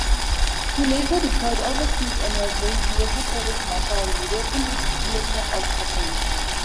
He later deployed overseas and was named Theater Provost Marshal, European Theater of Operations.